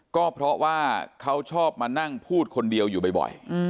ก็เพราะว่าเขาชอบมานั่งพูดคนเดียวอยู่บ่อย